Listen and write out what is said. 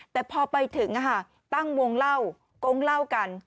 แต่พอไปถึงตั้งวงเล่าโก้งเล่ากัน